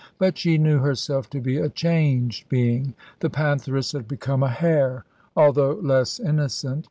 But she knew herself to be a changed being; the pantheress had become a hare, although less innocent.